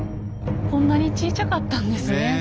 こんなにちいちゃかったんですね